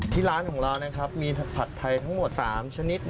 ร้านของเรานะครับมีผัดไทยทั้งหมด๓ชนิด